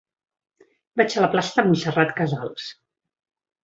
Vaig a la plaça de Montserrat Casals.